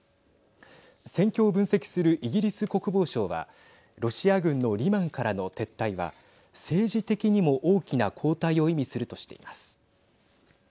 戦況を分析するイギリス国防省はロシア軍のリマンからの撤退は政治的にも大きな後退を意味するとしています。